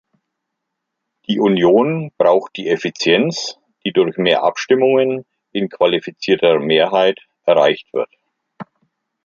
Die Union braucht die Effizienz, die durch mehr Abstimmungen in qualifizierter Mehrheit erreicht wird.